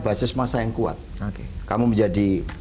basis masa yang kuat kamu menjadi